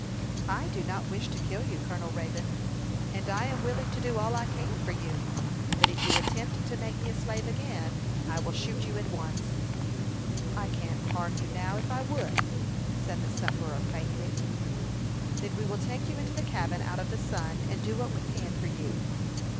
"I do not wish to kill you, Colonel Raybone, and I am willing to do all I can for you. But if you attempt to make me a slave again, I will shoot you at once." "I can't harm you now if I would," said the sufferer, faintly. "Then we will take you into the cabin out of the sun, and do what we can for you."